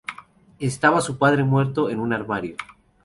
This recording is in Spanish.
Estaba su padre muerto en un armario.